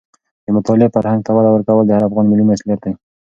د مطالعې فرهنګ ته وده ورکول د هر افغان ملي مسوولیت دی.